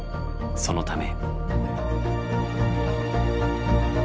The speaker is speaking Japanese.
そのため。